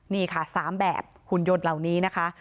นี่ค่ะ๓แบบหุ่นยนต์เหล่านี้นะคะ